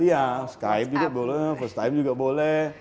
iya skype juga boleh facetime juga boleh